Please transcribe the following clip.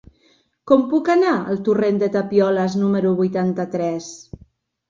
Com puc anar al torrent de Tapioles número vuitanta-tres?